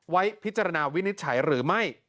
ไว้พิจารณาวินิจฉัยหรือไม่